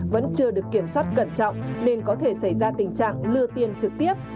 vẫn chưa được kiểm soát cẩn trọng nên có thể xảy ra tình trạng lừa tiền trực tiếp